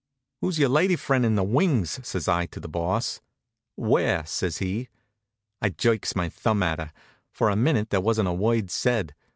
"Who's your lady friend in the wings?" says I to the Boss. "Where?" says he. I jerks my thumb at her. For a minute there wasn't a word said.